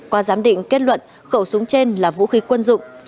qua giám định kết luận khẩu súng trên là vũ khí quân dụng